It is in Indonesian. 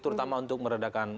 terutama untuk meredakan